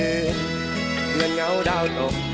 ถึงระหว่างเงาส์ดาวนก